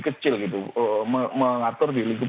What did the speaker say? kecil gitu mengatur di lingkup